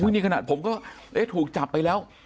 อ๋อโอ้โฮนี่ขนาดผมก็ถูกจับไปแล้ว